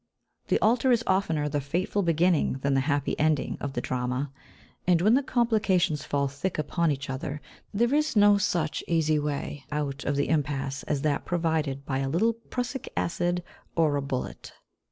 The altar is oftener the fateful beginning than the happy ending of the drama; and, when the complications fall thick upon each other, there is no such easy way out of the impasse as that provided by a little prussic acid or a bullet.